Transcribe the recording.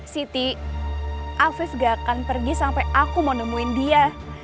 siti afif gak akan pergi sampai aku mau nemuin dia